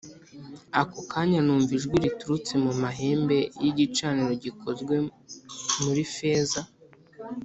Ako kanya numva ijwi riturutse mu mahembe y’igicaniro gikozwe muri feza